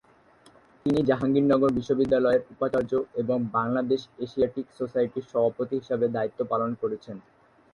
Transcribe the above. তিনি জাহাঙ্গীরনগর বিশ্ববিদ্যালয়ের উপাচার্য এবং বাংলাদেশ এশিয়াটিক সোসাইটির সভাপতি হিসেবে দায়িত্ব পালন করেছেন।